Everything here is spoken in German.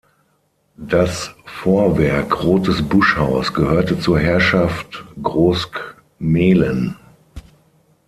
Das Vorwerk "Rothes Buschhaus" gehörte zur Herrschaft Großkmehlen.